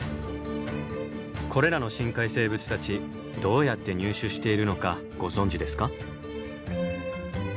これらの深海生物たちどうやって入手しているのかご存じですか？